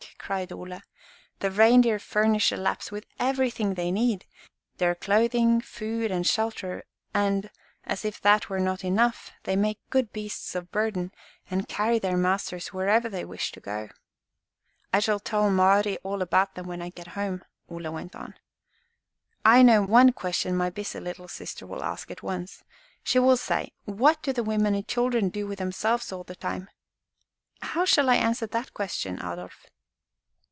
cried Ole. "The reindeer furnish the Lapps with everything they need, their clothing, food, and shelter; and, as if that were not enough, they make good beasts of burden, and carry their masters wherever they wish to go." "I shall tell Mari all about them when I get home," Ole went on. "I know one question my busy little sister will ask at once. She will say, 'What do the women and children do with themselves all the time?' How shall I answer that question, Adolf?"